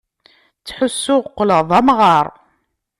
Ttḥussuɣ qqleɣ d amɣaṛ.